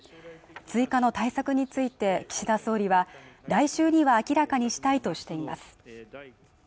追加の対策について岸田総理は来週には明らかにしたいとしています